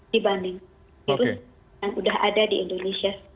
dibanding virus yang sudah ada di indonesia